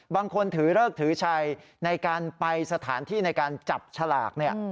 ถือเลิกถือชัยในการไปสถานที่ในการจับฉลากเนี่ย